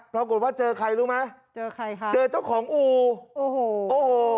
ปรากฏว่าเจอใครรู้ไหมเจอใครคะเจอเจ้าของอู่โอ้โหโอ้โห